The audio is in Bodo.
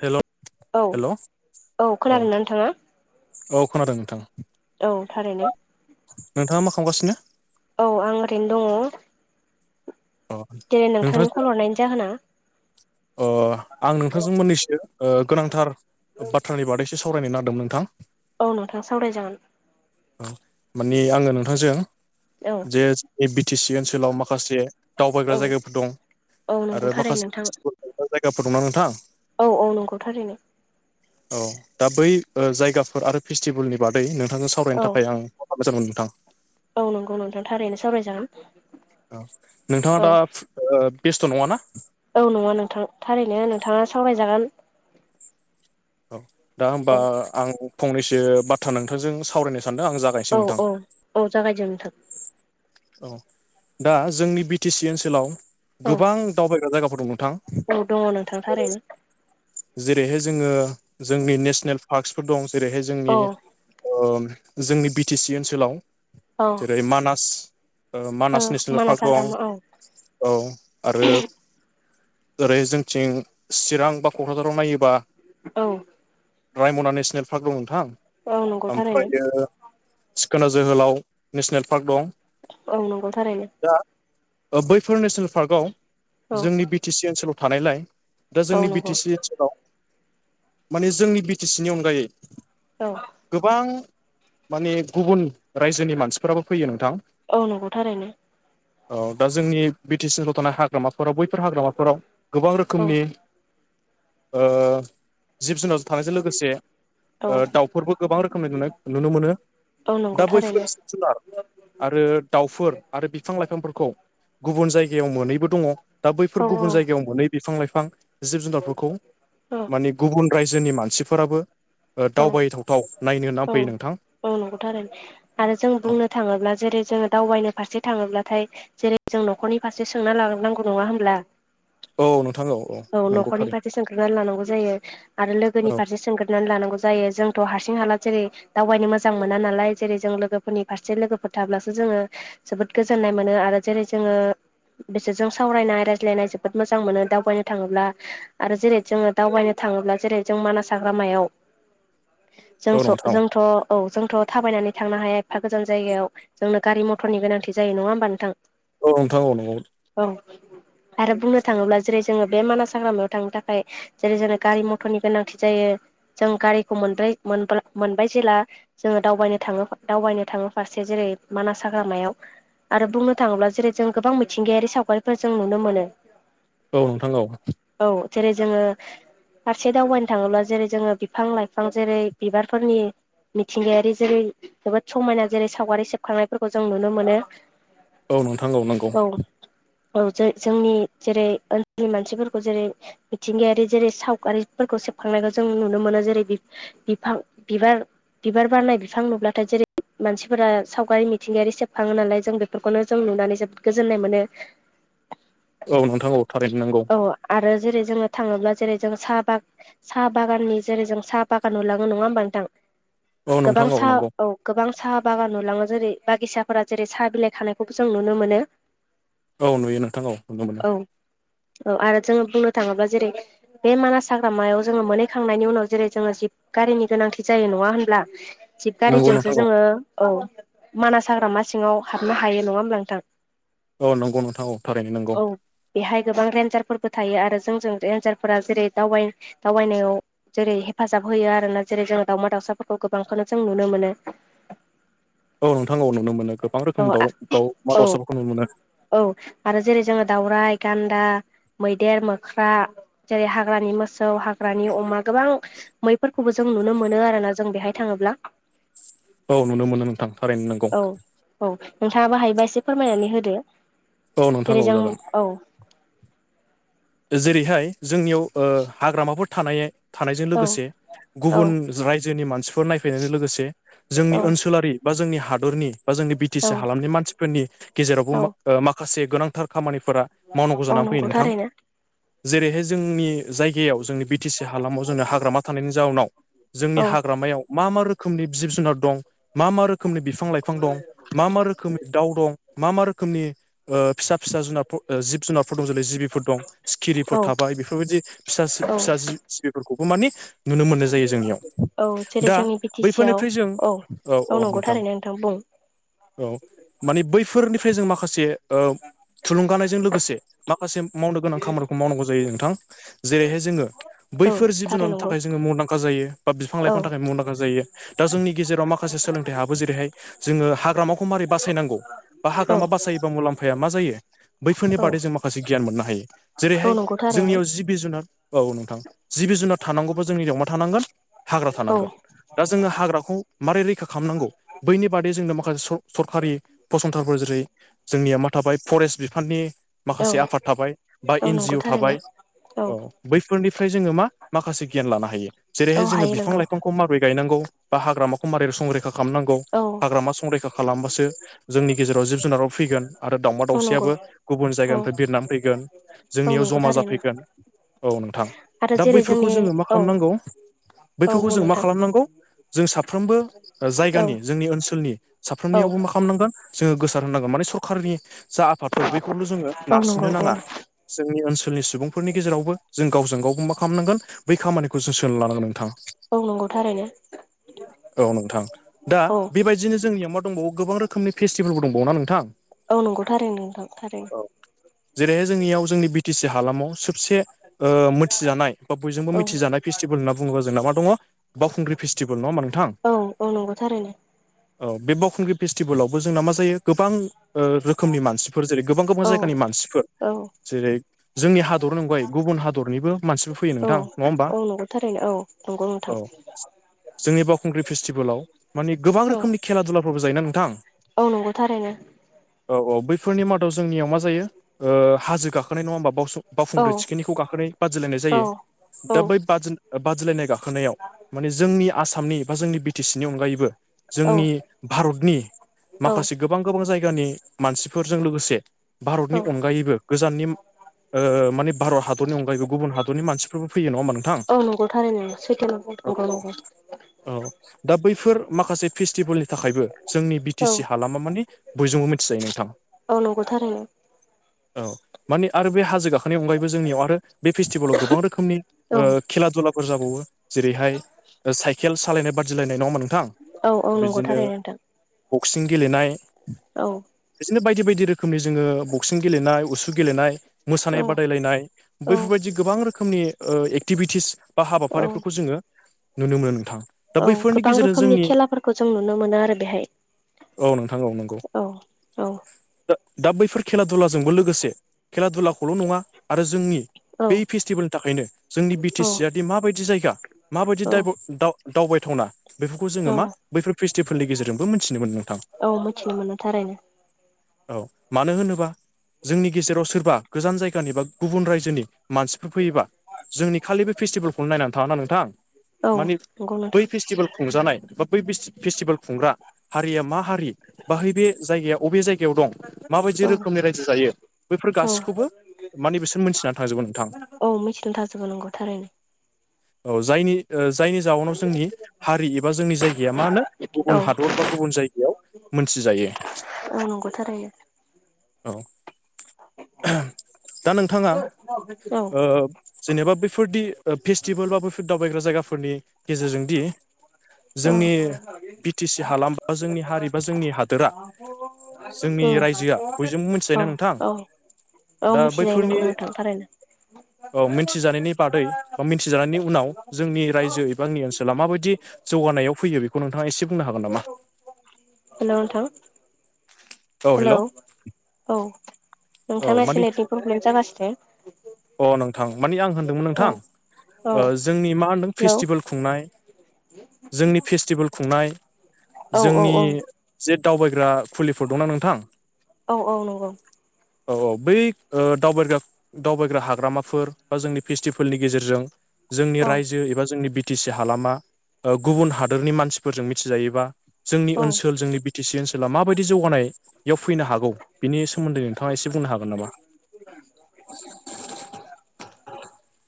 हेल औ हेल औ अ खोनादोंना नोंथाङा औ खोनादों नोंथां। औ थारैनो नोंथाङा मा खालामगासिनो औ आं ओरैनो दङ। अ दिनै नोंथांनि नोंथांजों कल हरनायनि जाहोना? अ आं नोंथांजों मोननैसो ओ गोनांथार बाथ्रानि बादैसो सावरायनो नागदोंमोन नोंथां। औ नोंथां सावरायजागोन। औ मानि आङो नोंथांजों औ जे बि टि सि ओनसोलाव माखासे दावबायग्रा औ जायगाफोर दं। औ नंगौथारै नोंथां। ओ जायगाफोर दं ना नोंथां। औ औ नंगौथारैनो। औ दा बै ओ जायगाफोर आरो फेस्टिभोलनि बादै नोंथांजों औ सावरायनो थाखाय आं [unintelligible] नोंथां औ नंगौ नोंथां थारैनो सावरायजागोन। औ नोंथाङा औ दा ओ बेस्थ' नङा ना? औ नङा नोंथां थारैनो नोंथाङा सावरायजागोन। औ दा औ होमबा आं फंनैसो बाथ्रा नोंथांजों सावरायनो सानदों आं जा औ औ औ जागायदो नोथां। औ दा जोंनि बि टि सि ओनसोलाव औ गोबां दावबायग्रा जायगाफोर दं नोंथां। औ दङ नोंथां थारैनो। जेरैहाय जोङो जोंनि नेसनेल पार्कसफोर दं जेरैहाय औ जोंनि ओ जोंनि बि टि सि ओनसोलाव औ जेरै मानास ओ औ मानास नेसनेल मानास पार्क दं। हाग्रामा औ औ आरो ओरै जोंथिं चिरां बा क'क्राझाराव नायोबा औ रायमना नेसनेल पार्क दं नोंथां औ नंगौ थारैनो ओमफ्रायो सिखोना जोहोलाव नेसनेल पार्क दं। औ नंगौ थारैनो। दा बैफोर नेसनेल पार्कआव औ जोंनि बि टि सि ओनसोलाव थानायलाय दा औ जोंनि बि नंगौ टि सि ओनसोलाव माने जोंनि बि टि सि नि अनगायै औ गोबां माने गुबुन रायजोनि मानसिफोराबो फैयो नोंथां। औ नंगौ थारैनो। औ दा जोंनि बि टि सि ओनसोलाव थानाय हाग्रामाफोराव बैफोर हाग्रामाफोराव गोबां औ रोखोमनि ओ जिब-जुनार थानायजों लोगोसे ओ औ दाउफोरबो गोबां रोखोमनि नु नुनो मोनो। औ दा नंगौ था- बैफोर जिब-जुनार आरो दाउफोर आरो बिफां-लाइफांफोरखौ गुबुन जायगायाव मोनैबो दङ दा बैफोर औ गुबुन जायगायाव मोनै बिफां-लाइफां जिब-जुनारफोरखौ औ माने गुबुन रायजोनि मानसिफोराबो औ दावबायथावथाव नायनो औ होननानै फैयो नोंथां। औ नंगौ थारैनो। आरो जों औ बुंनो थाङोब्ला जेरै जोङो दावबायनो फारसे थाङोब्लाथाय जेरै जों न'खरनि फारसे सोंना लनांगौ नङा होमब्ला। औ नोंथां औ नंगौ न'खरनि थारैनो फारसे सोंग्रोना लानांगौ जायो आरो लोगोनि औ फारसे सोंग्रो- नानै लानांगौ जायो जोंथ' हारसिं-हाला जेरै दावबायनो मोजां मोना नालाय जेरै जों लोगोफोरनि फारसे लोगोफोर थाब्लासो जोङो जोबोद गोजोननाय मोनो आरो जेरै जोङो बिसोरजों सावरायनाय रायज्लायनाय जोबोद मोजां मोनो दावबायनो थाङोब्ला। आरो जेरै जोङो दावबायनो थाङोब्ला जेरै जों मानास हाग्रामायाव जों औ स' नोंथां जों जोंथ' औ जोंथ' थाबायनानै थांनो हाया एफा गोजान जायगायाव। जोंनो गारि-मथरनि गोनांथि जायो। नङा होमबा नोंथां? औ नोंथां औ नंगौ। औ आरो बुंनो थाङोब्ला जेरै जोङो बे मानास हाग्रामायाव थांनो थाखाय जेरै जोंनो गारि-मथरनि गोनांथि जायो जों गारिखौ [unintelligible] मोनबाय जेला जोङो दावबायनो थाङो दावबायनो थाङो फारसे जेरै मानास हाग्रामायाव। आरो बुंनो थाङोब्ला जेरै जों गोबां मिथिंगायारि सावगारिफोर जों नुनो मोनो। औ नोंथां औ। औ जेरै जोङो फारसे दावबायनो थाङोब्ला जेरै जोङो बिफां-लाइफां जेरै बिबारफोरनि मिथिंगायारि जेरै जोबोद समायना जेरै सावगारि सेबखांनायफोरखौ जों नुनो मोनो। औ नोंथां औ नंगौ। औ ज जोंनि जेरै ओनसोलनि मानसिफोरखौ जेरै मिथिंगायारि जेरै सावगारिफोरखौ सेबखांनायखौ जों नुनो मोनो जेरै बिफां बिबार बिबार बारनाय बिफां नुब्लाथाय जेरै मानसिफोरा सावगारि मिथिंगायारि सेबखाङो नालाय जों बेफोरखौनो जों नुनानै जोबोद गोजोननाय मोनो औ नोंथां थारैनो नांगौ औ आरो जेरै जोङो थाङोब्ला जेरै जों साहा बाग साहा बागाननि जेरै जों साहा बागान नुलाङो। नङा होमबा नोंथां? औ नोंथां गोबां साहा नंगौ औ गोबां साहा बागान नुलाङो जेरै बागिसाफोरा जेरै साहा बिलाइ खानायखौबो जों नुनो मोनो। औ नुयो नोंथां औ नुनो मोनो। औ औ आरो जोङो बुंनो थाङोब्ला जेरै बे मानास हाग्रामायाव जोङो मोनहैखांनायनि उनाव जेरै जोङो जिप गारिनि गोनांथि जायो। नङा होनब्ला? नंगौ जिबगारिजोंसो नोंथां औ जोङो औ मानास हाग्रामा सिङाव हाबनो हायो नङा होमब्ला नोंथां औ नंगौ नोंथां औ थारैनो औ नंगौ बेहाय गोबां रेन्जारफोरबो थायो आरो जोंजों रेनन्जारफोरा जेरै दावबाय दावबायनायाव जेरै हेफाजाब होयो आरोोना जेरै जों दाावमा दाउसाफोरखौ गोबांखौनो जों नुनो मोनो औ नोंथां नुनो मोनो गोबां औ रोखोमनि द दाउमा औ दावसाफोरखौ नुनो मोनो औ आरो जेरै जोङो दावराइ गान्दा मैदेर मोख्रा जेरै हाग्रानि मोसौ हाग्रानि अमा गोबां मैफोरखौबो जों नुनो मोनो आरोना जों बेहाय थाङोब्ला औ नुनो मोनो नोंथां रारायनो नांगौ औ औ नोंथाङा बाहायबा एसे फोरमायनानै होदो औ नोंथां जेरै औ जों जागोन औ जेरैहाय जोंनियाव ओ हाग्रामाफोर थानाय थानायजों औ लोगोसे औ गुबुन रायजोनि मानसिफोर नायफै फैनायजों लोगोसे जोंनि औ ओनसोलारि बा जोंनि हादरनि बा जोंनि बि टि औ सि हालामनि मानसि फोरनि गेजेरावबो औ ओ माखासे गोनांथार खामानिफोरा मावनांगौ औ जानानै फैयो नंगौ नोंथां थारैनो जेरैहाय जोंनि जायगायाव जोंनि बि टि सि हालामाव जोङो हाग्रामा थानायनि जाउनाव जोंनि औ हाग्रामायाव मा मा रोखोमनि जिब जुनार दं मा मा रोखोमनि बिफां लाइफां दं मा मा रोखोम रोखोमनि दाउ दं मा मा रोखोमनि ओ फिसा फिसा जुनार ओ जिब जुनारफोर दं जेरै जिबिफोर दं सिखिरिफोर औ थाबाय बेफोरबायदि फिसा औ फि सिबिफोरखौबो मानि नुनो मोननाय जायो जोंनियाव औ जेरै दा जोंनि बि टि सि आव बैफोरनिफ्राय जों औ औ नंगौ नोंथां थारैनो बुं औ माने बैफोरनिफ्राय जों माखासे ओ थुलुंगानायजों लोगोसे माखासे मावनो गोनां खामानिखौ मावनांगौ जायो नोंथां जेरैहाय जोङो औ बैफोर जिब थारै जुनारनि नंगौ थाखाय जोङो मुंदांखा जायो बा बिफां औ लाइफांनि थाखाय मुंदांखा जायो दा जोंनि गेजेराव माखासे सोलोंथाइ हाबो जेरैहाय जोङो हाग्रामाखौ मारै बासायनांगौ बा औ हाग्रामा बासायोबा मुलाम्फाया मा जायो बैफोरनि औ बादै जों माखासे गियान मोननो हायो औ जेरैहाय नंगौ थारैनो जोंनियाव जिब जुनार औ नोंथां जि बि जुनार थानांगौबा जोंनि बेयाव मा थानांगोन हाग्रा औ थानांगोन दा जोङो हाग्राखौ मारै रैखा खालामनांगौ बैनि बादै जोंनो माखासे स-सरखारि फसंथानफोर जेरै जोंनिया मा थाबाय फरेस्ट बिफाननि औ माखासे आफाद थाबाय बा औ एन जि नंगौ अ थारैनो थाबाय औ बैफोरनिफ्राय जोङो मा माखासे गियान लानो हायो औ जेरैहाय जोङो हायो बिफां नंगौ लाइफां खौ माबोरै गायनांगौ बा हाग्रामाखौ माबोरै संरैखा खालामनांगौ औ हाग्रामा संरैखा खालामबासो जोंनि गेजेराव जिब जुनाराव फैगोन आरो दाउमा औ नंगौ दावउसियाबो गुबुन औ जायगानिफ्राय बिरनानै फैगोन औ जोंनियाव नंगौ ज'मा थारैनो जाफैगोन औ नोंथां आरो दा जेरै बैफोरखौ जोंनि जोङो मा औ खालामनांगौ औ बैफोरखौ बुं जों मा नोंथां खालामनांगौ जों साफ्रोमबो औ जायगानि जोंनि ओनसोलनि औ साफ्रोमनियावबो मा खालामनांगोन जोङो गोसार होनांगोन माने सरखारनि जा आफादफोर बैखौल' जोङो औ नंगौ नारसिननो औ नाङा जोंनि ओनसोलनि सुबुंफोरनि गेजेरावबो जों गावजों गावबो मा खालामनांगोन बै खामानिखौ [unintelligible] औ नोंथां औ नंगौ थारैनो औ नोंथां दा औ बे बादि बिदिनो जोंनियाव मां दंबावो गोब रोखोमनिे फेस्टिभेलबो दंबावो ना नोंथां औ नंगौ थारैनो नोंथां थारैनो जेरैहाय जोंनियाव जोंनि बि टि सि हालामाव सबसे ओ मिथिजानाय बा बयजोंबो औ मिथिजानाय फेस्टिभेल होनना बुङोबा जोंना मा दङ बावखुंग्रि फेस्टिभेल नङा नोंथां औ औ नंगौ थारैनो औ बे बावखुंग्रि फेस्टिभेलावबो जोंना मा जायो गोबां ओ रोखोमनि मानसिफोर जेरै गोबां गोबां औ जायगानि मानसिफोर औ जेरै जोंनि हादरनि अनगायै गुबुन हादरनिबो मानसिबो फैयो औ नोंथां नङा होमबा औ नंगौ थारैनो औ नंगौ नोंथां औ जोंनि बावखुंग्रि फेस्टिभेलाव मानिे गोबां औ रोखोमनि खेला दुलाफोरबो जायोना नोंथां औ नंगौ थारैनो औ औ बैफोरनि मादाव जोंनियाव मा जायो ओ हाजो नंङा होनबा बासुं औ बावखुंग्रि थिखिनिखौ गाखोनानै बादिलायनाय औ जायो औ दा बै बादि बादिलायनाय गाखो खोनायाव माने जोंनि आसामनि बा जोंनि बि टि सि नि अनगायैबो औ जोंनि भारतनि माखासे गोबां गोबां जायगानि मानसिफोरजों लोगोसे भारतनि औ अनगायैबो गोजाननि ओ मानि भारत हादरनि अनगायैबो गुबुन हादरनि मानसिफोरबो फैयो नङा होमबा नोंथां औ नंगौ थारैनो सैथो औ नंगौ औ नंगौ औ दा बैफोर माखासे फेस्टिभेलनि थाखायबो जोंनि बि टि औ सि हालामा मानि बयजोंबो मिथिजायो नोंथां औ नंगौ थारैनो औ माने आरो बे हाजो गाखोननि अनगायैबो जोंनियाव आरो बे फेस्टिभेलाव गोबां रोखोमनि औ ओ खेला दुलाफोर जाबावो जेरैहाय साइकेल सालायनाय बादिलायनाय नंङा नोंथां औ औ नंगौ बिदिनो थारैनो नोंथां बक्सिं गेलेनाय औ बिदिनो बायदि बायदि रोखोमनि जोङो बक्सिं गेलेनाय उसु गेलेनाय मोसानाय औ बादायलायनाय औ बैफोरबायदि गोबां रोखोमनि ओ एक्टिभिटिस बा औ हाबाफारिफोरखौ जोङो नुनो मोनो नोंथां। दा औ बैफोरनि गोबां गेजेरजों रोखोमनि जोंनि खेलाफोरखौ जों नुनो मोनो आरो बेहाय औ नोंथां औ नंगौ औ औ दा बैफोर खेला दुलाजोंबो लोगोसे खेला दुलाखौल' नङा आरो जोंनि औ बै फेस्टिभेलनि थाखायनो जोंनि बि टि सि आ दि माबायदि जायगा माबायदि औ दा दावबायथावना बेफोरखौ जोङो औ मा बैफोर फेस्टिभेलनि गेजेरजोंबो मिथिनो मोनो नोंथां औ मिथिनो मोनो थारैनो औ मानो होनोबा जोंनि गेजेराव सोरबा गोजान जायगानि बा गुबुन रायजोनि मानसिफोर फैयोबा जोंनि खालि बे फेस्टिभेलखौनो नायनानै थाङा ना नोंथां औ मानि नंगौ बै नोंथां फेस्टिभेल खुंजानाय बा बै फेस्टिभेल खुंग्रा हारिया मा हारि बाहाय बे जायगायाव अबे जायगायाव दं माबायदि औ रो जायो बैफोर औ गासैखौबो माने बिसोर मोनथिनानै थांजोबो नोंथां औ मिथिना थाजोबो नांगौ थारैनो औ जायनि ओ जायनि जाउनाव जोंनि हारि एबा जोंनि जायगाया मा होनो थारैनो औ गुबुन हादर बा गुबुन जायगायाव मोनथिजायो औ नंगौ थारैनो औ दा नोंथाङा औ औ ओ जेनेबा बैफोरदि फेस्टिभेल बा बैफोर दावबायग्रा जायगाफोरनि गेजेरजोंदि उम जोंनि बि टि सि हालाम बा जोंनि हारि बा जोंनि हादोरा जोंनि रायजोआ बयजोंबो मिथिजायो ना औ नोंथां औ औ दा मिथिजायो नंगौ बैफोरनि नोंथां थारैनो औ मिथिजानायनि बादै बा मिथिजानायनि उनाव जोंनि रायजो एबांनि ओनसोला माबायदि जौगानायाव फैयो बेखौ नोंथाङा एसे बुंनो हागोन नामा? हेल' नोंथां हेल' औ औ नोंथाङा मानि चनेेटनि प्रब्लेम जागासिनो अ नोंथां मानि आं होनदोंमोन औ औ नोंथां जोंनि मा होनदों हेलौ फेस्टिभेल खुंनाय जोंनि फेस्टिभेल खुंनाय औ औ जोंनि औ जे दावबायग्रा खुलिफोर दंना नोंथां औ औ नंगौ औ औ बै दावबायग्रा दावबायग्रा हाग्रामाफोर बा जोंनि फेस्टिभेलनि गेजेरजों जोंनि औ रायजो एबा जोंनि बिटि सि हालामा गुबुन हादोरनि मानसिफोरजों मिथिजायोबा जोंनि औ ओनसोल जोंनि बि टि सि ओनसोला माबायदि जौगानायाव फैनो हागौ बिनि सोमोन्दै एसे बुंनो हागोन नामा [unintelligible]